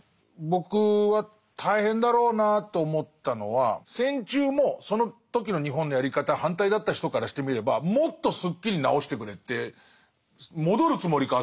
僕は大変だろうなと思ったのは戦中もその時の日本のやり方に反対だった人からしてみればもっとすっきりなおしてくれって戻るつもりか